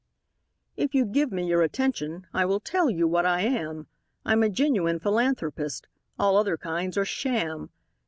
If you give me your attention, I will tell you what I am: I'm a genuine philanthropist all other kinds are sham.